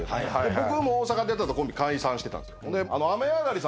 僕も大阪でやってたコンビ解散してたんですよ。